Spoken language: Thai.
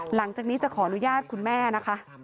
หลังจากนี้จะขออนุญาตคุณแม่นะคะ